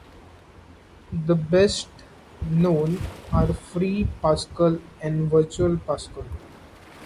The best-known are Free Pascal and Virtual Pascal.